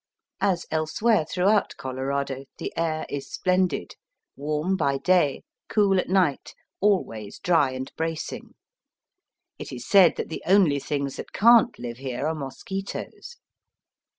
As elsewhere through out Colorado the air is splendid, warm by day, cool at night, always dry and bracing. It is said that the only things that can't live here are mosquitoes.